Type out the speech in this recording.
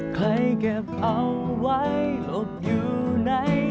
ใครเก็บเอาไว้อบอยู่ใน